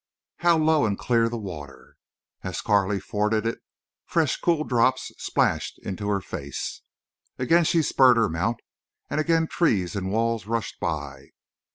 How low and clear the water! As Carley forded it fresh cool drops splashed into her face. Again she spurred her mount and again trees and walls rushed by.